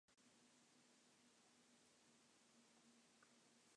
This bird was named after the English zoologist Edward Blyth.